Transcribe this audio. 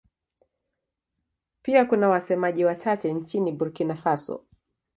Pia kuna wasemaji wachache nchini Burkina Faso.